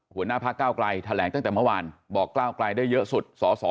หัวหน้าพักเก้าไกลแถลงตั้งแต่เมื่อวานบอกก้าวไกลได้เยอะสุดสส